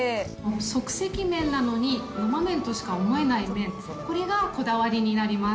即席麺なのに生麺としか思えない麺、これがこだわりになります。